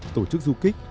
tổ chức du kích